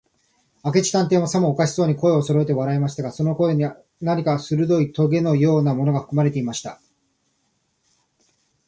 明智探偵も、さもおかしそうに、声をそろえて笑いましたが、その声には、何かするどいとげのようなものがふくまれていました。